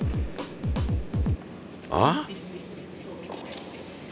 あっ！